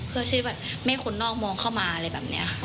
เพื่อที่ไม่ให้คนนอกมองเข้ามาอะไรแบบนี้